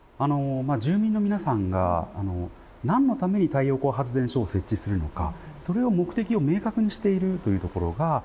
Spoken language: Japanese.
住民の皆さんが何のために太陽光発電所を設置するのかそれを目的を明確にしているというところが面白いと思うんですよね。